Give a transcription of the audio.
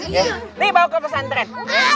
ya nih bawa ke pesantren